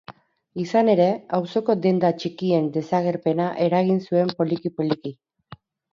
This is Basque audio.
Izan ere, auzoko denda txikien desagerpena eragin zuen poliki-poliki.